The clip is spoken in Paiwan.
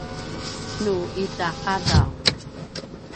nu ita qadav